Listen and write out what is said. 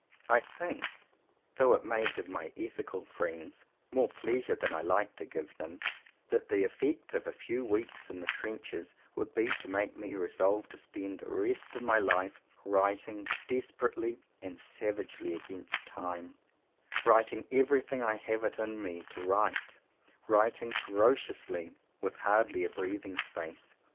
I think, though it may give my ethical friends more pleasure than I like to give them, that the effect of a few weeks in the trenches would be to make me resolve to spend the rest of my life writing desperately and savagely against time, — writing everything I have it in me to write, — writing ferociously with hardly a breath ing space.